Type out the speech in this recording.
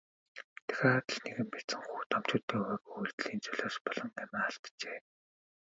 Дахиад л нэгэн бяцхан хүү томчуудын увайгүй үйлдлийн золиос болон амиа алджээ.